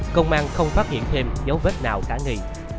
công an không phát hiện thêm dấu vết nào cả nghi